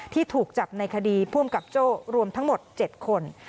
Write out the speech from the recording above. ที่ถูกจับในคดีผู้อำกับโจ้รวมทั้งหมด๗คน